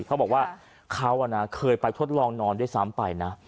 เขาบอกว่าเขาเคยไปทดลองนอนด้วยซ้ำไปนะ